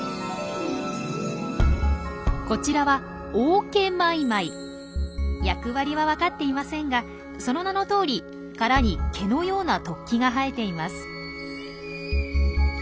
こちらは役割は分かっていませんがその名のとおり殻に毛のような突起が生えています。